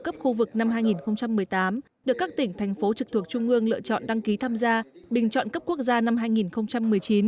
cấp khu vực năm hai nghìn một mươi tám được các tỉnh thành phố trực thuộc trung ương lựa chọn đăng ký tham gia bình chọn cấp quốc gia năm hai nghìn một mươi chín